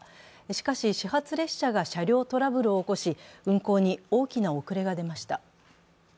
しかし、始発列車が車両トラブルを起こし運行に大きな遅れが出ました。